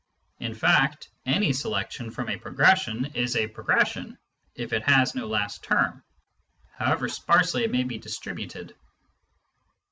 In fact, any selection from a pro gression is a progression if it has no last term, however sparsely it may be distributed.